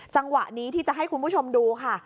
จังหวะนี้ที่จะให้คุณผู้ชมดูค่ะ